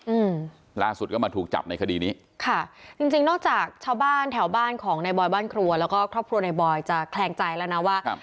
อืมล่าสุดก็มาถูกจับในคดีนี้ค่ะจริงจริงนอกจากชาวบ้านแถวบ้านของนายบอยบ้านครัวแล้วก็ครอบครัวในบอยจะแคลงใจแล้วนะว่าครับ